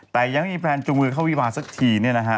แต่ยังไม่มีแฟนจูงมือเข้าวิวาสักทีเนี่ยนะฮะ